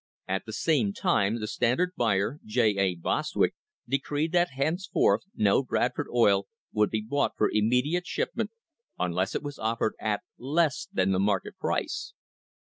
At the same time the Standard buyer, J. A. Bostwick, decreed that henceforth no Bradford oil would be bought for immediate shipment unless it was offered at less than the market price.